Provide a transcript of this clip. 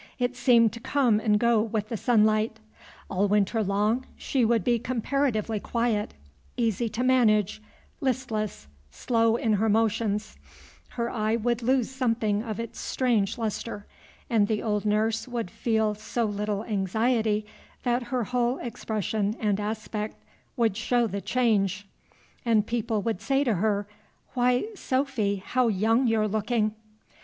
It seemed to come and go with the sunlight. All winter long she would be comparatively quiet, easy to manage, listless, slow in her motions; her eye would lose something of its strange lustre; and the old nurse would feel so little anxiety, that her whole expression and aspect would show the change, and people would say to her, "Why, Sophy, how young you're looking!"